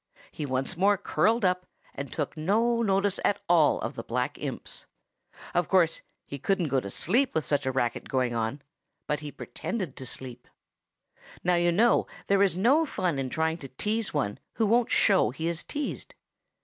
He once more curled up and took no notice at all of the black imps. Of course, he couldn't go to sleep with such a racket going on, but he pretended to sleep. Now you know there is no fun in trying to tease one who won't show he is teased.